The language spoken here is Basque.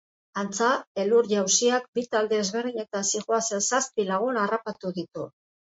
Antza, elur-jausiak bi talde ezberdinetan zihoazen zazpi lagun harrapatu ditu.